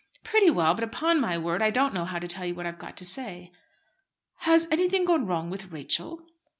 "Pretty well. But upon my word, I don't know how to tell you what I've got to say." "Has anything gone wrong with Rachel?"